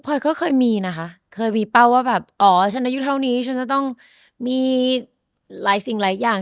พอยก็เคยมีนะคะเคยมีเป้าว่าแบบอ๋อฉันอายุเท่านี้ฉันจะต้องมีหลายสิ่งหลายอย่าง